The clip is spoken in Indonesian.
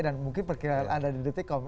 dan mungkin perkiraan anda di detik ini